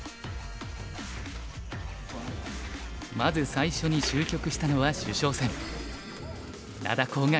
まず最初に終局したのは主将戦。